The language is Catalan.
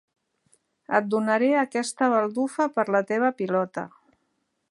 Et donaré aquesta baldufa per la teva pilota.